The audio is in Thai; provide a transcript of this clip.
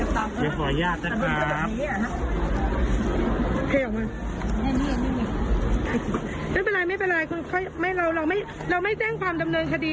ไม่เป็นไรค่อยไม่เราเราไม่เราไม่แจ้งความดำเนินคดี